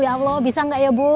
ya allah bisa nggak ya bu